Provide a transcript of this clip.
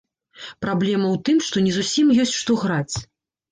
Праблема ў тым, што не зусім ёсць што граць.